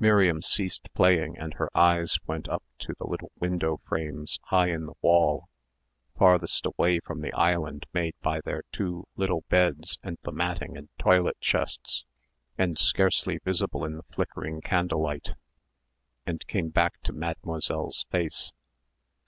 Miriam ceased playing and her eyes went up to the little window frames high in the wall, farthest away from the island made by their two little beds and the matting and toilet chests and scarcely visible in the flickering candle light, and came back to Mademoiselle's face.